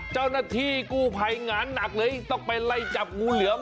เจ้าหน้าที่กู้ภัยงานหนักเลยต้องไปไล่จับงูเหลือม